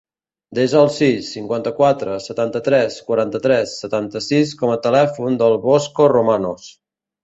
Desa el sis, cinquanta-quatre, setanta-tres, quaranta-tres, setanta-sis com a telèfon del Bosco Romanos.